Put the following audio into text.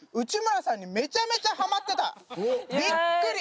びっくり。